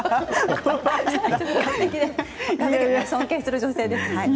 尊敬する女性です。